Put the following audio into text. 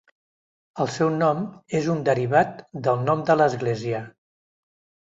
El seu nom és un derivat del nom de l'església.